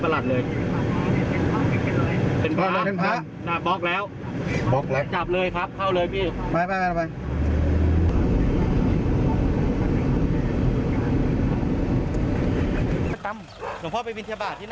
แล้วทำไมถึงพักบ้าน